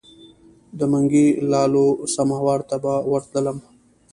د منګي لالو سماوار ته به ورتللم.